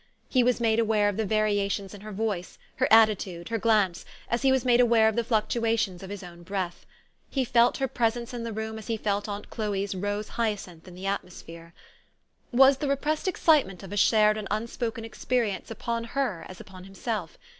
He was made aware of the variations in her voice, her attitude, her glance, as he was made aware of the fluctuations of his own breath. He felt her presence in the room as he felt aunt Chloe's rose hyacinth in the atmos phere. "Was the repressed excitement of a shared and unspoken experience upon her as upon himself?